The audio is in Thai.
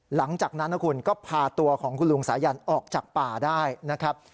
หลังจากนั้นนะคุณก็พาตัวของคุณลุงสายันออกจากป่าได้นะครับ